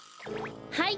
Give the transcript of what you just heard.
はい。